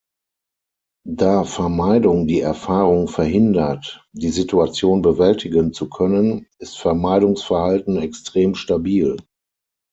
Da Vermeidung die Erfahrung verhindert, die Situation bewältigen zu können, ist Vermeidungsverhalten extrem stabil.